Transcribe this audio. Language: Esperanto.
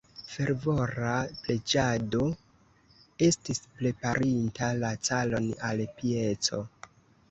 Fervora preĝado estis preparinta la caron al pieco.